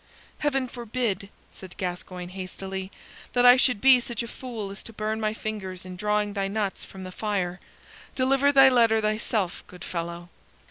"Heaven forbid," said Gascoyne, hastily, "that I should be such a fool as to burn my fingers in drawing thy nuts from the fire! Deliver thy letter thyself, good fellow!"